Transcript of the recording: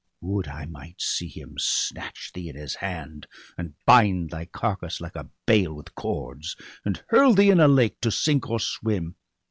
Would I might see him snatch thee in his hand, And bind thy carcase, like a bale, with cords, And hurl thee in a lake, to sink or swim